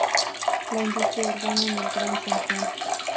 La Industria Urbana en el Gran San Juan.